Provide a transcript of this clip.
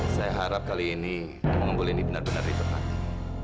saya harap kali ini kamu memboleh ini benar benar diperhatikan